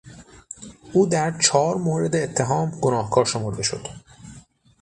او در چهار مورد اتهام گناهکار شمرده شد.